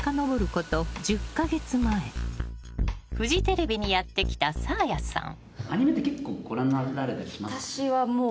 ［フジテレビにやって来たサーヤさん］